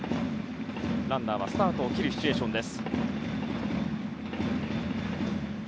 ランナーはスタートを切るシチュエーションです。